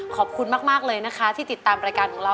ขอบคุณมากเลยนะคะที่ติดตามรายการของเรา